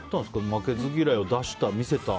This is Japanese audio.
負けず嫌いを出した、見せた。